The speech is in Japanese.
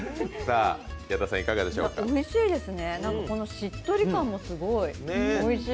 おいしいですね、しっとり感もすごい、おいしい。